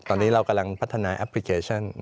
ตอนนี้เรากำลังพัฒนาแอปพลิเคชัน